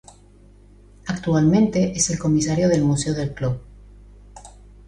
Actualmente, es el comisario del museo del club.